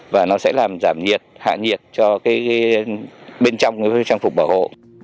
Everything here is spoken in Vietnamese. và nó sẽ làm giảm nhiệt hạ nhiệt cho bên trong trang phục bảo hộ